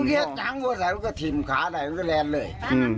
เมื่อกี้ก็ทิ้งขาด้วยก็แรงเลย